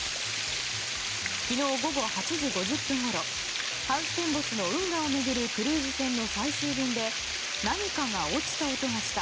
昨日午後８時２０分ごろハウステンボスの運河を巡るクルーズ船の最終便で何かが落ちた音がした。